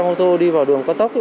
các mô tô đi vào đường cao tốc